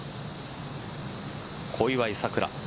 小祝さくら。